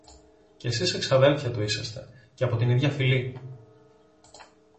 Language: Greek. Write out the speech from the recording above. Και σεις εξαδέλφια του είσαστε, και από την ίδια φυλή.